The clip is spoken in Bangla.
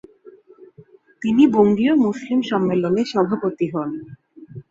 তিনি বঙ্গীয় মুসলিম সম্মেলনে সভাপতি হন।